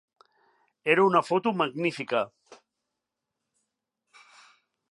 Era una foto magnífica.